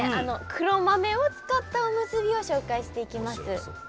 黒豆を使ったおむすびを紹介していきます。